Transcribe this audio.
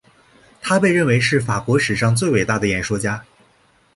他被认为是法国史上最伟大的演说家。